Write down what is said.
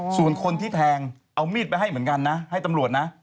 ส่วนคนที่แทงเอามีดไปให้เหมือนกันนะให้ตำรวจนะ